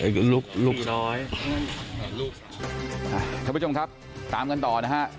ท่านผู้ชมครับตามกันต่อนะฮะ